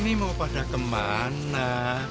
ini mau pada kemana